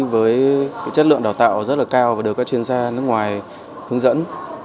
với chất lượng đào tạo rất là cao và được các chuyên gia nước ngoài hướng dẫn